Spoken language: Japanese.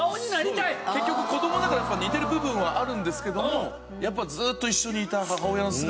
結局子供だから似てる部分はあるんですけどもやっぱずーっと一緒にいた母親の姿。